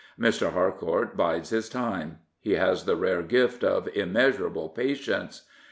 Mr. Harcourt bides his time. He has the rare gift of immeasurable patience.